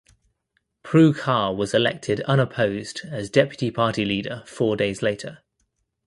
Prue Car was elected unopposed as deputy party leader four days later.